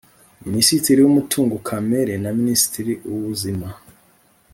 Minisitiri w Umutungo Kamere na Minisitiri w Ubuzima